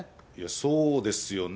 そうですよね。